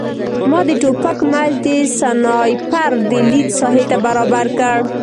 ما د ټوپک میل د سنایپر د لید ساحې ته برابر کړ